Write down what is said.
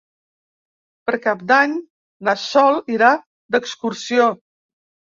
Per Cap d'Any na Sol irà d'excursió.